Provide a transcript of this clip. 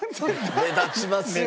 目立ちますね。